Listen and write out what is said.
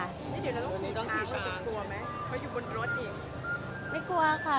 นี่เดี๋ยวเราต้องขี่ช้างเขาจะกลัวไหมเขาอยู่บนรถเอง